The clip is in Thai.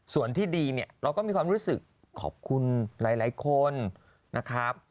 ส่วนที่ดีเนี่ยเราก็มีความรู้สึกขอบคุณหลายคนนะครับ